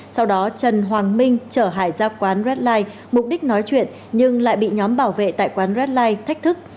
sau đó trần hoàng minh trở hải ra quán red light mục đích nói chuyện nhưng lại bị nhóm bảo vệ tại quán red light thách thức